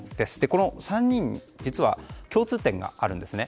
この３人実は共通点があるんですね。